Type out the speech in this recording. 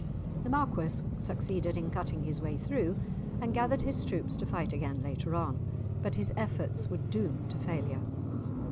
The Marquis succeeded in cutting his way through, and gathered his troops to fight again later on; but his efforts were doomed to failure.